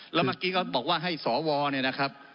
แล้วเมื่อกี้ก็บอกว่าให้สวเนี่ยนะครับ